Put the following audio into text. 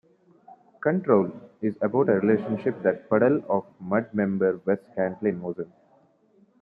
"Control" is about a relationship that Puddle of Mudd member Wes Scantlin was in.